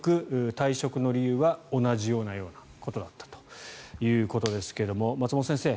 退職の理由は同じようなことだったということですが松本先生